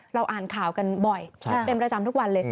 เราอ่านข่าวกันบ่อยเป็นประจำทุกวันเลย